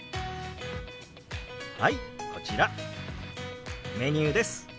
はいこちらメニューです。